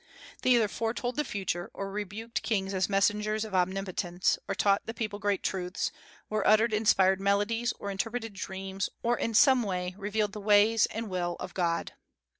They either foretold the future, or rebuked kings as messengers of omnipotence, or taught the people great truths, or uttered inspired melodies, or interpreted dreams, or in some way revealed the ways and will of God.